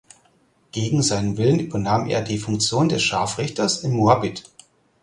Gegen seinen Willen übernahm er die Funktion des Scharfrichters in Moabit.